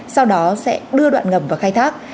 sau đó sẽ đưa đoạn ngầm vào khai thác